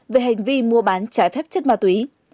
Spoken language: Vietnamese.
về hành vi mua bán trái phép chất ma túy